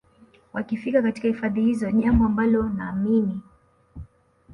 wakifika katika hifadhi hizo jambo ambalo naamini